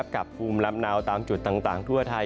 ภูมิลำเนาตามจุดต่างทั่วไทย